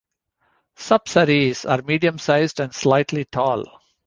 Sapsarees are medium-sized and slightly tall.